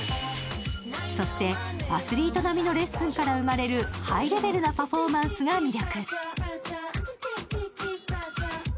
そしてアスリート並みのレッスンから生まれるハイレベルなパフォーマンスが魅力。